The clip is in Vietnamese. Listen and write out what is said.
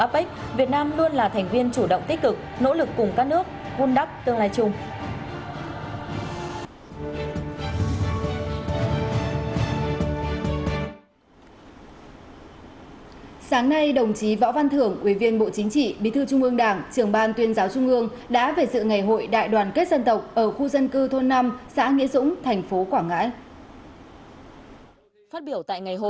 phát biểu tại ngày hội